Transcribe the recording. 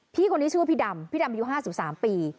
พี่คนนี้ชื่อว่าพี่ดำพี่ดำอายุ๕๓ปี